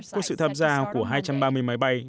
có sự tham gia của hai trăm ba mươi máy bay